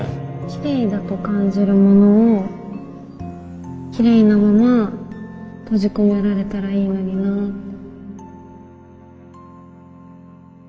きれいだと感じるものをきれいなまま閉じ込められたらいいのになぁって。